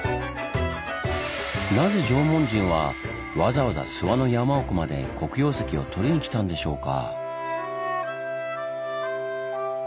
なぜ縄文人はわざわざ諏訪の山奥まで黒曜石をとりに来たんでしょうか？